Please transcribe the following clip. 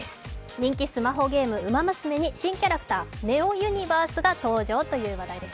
人気スマホゲーム、「ウマ娘」に新キャラクター、ネオユニヴァースが登場という話題住宅。